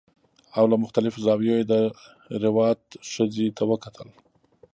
او له مختلفو زاویو یې د روات ښځې ته وکتل